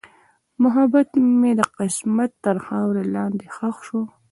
محبت مې د قسمت تر خاورو لاندې ښخ شو.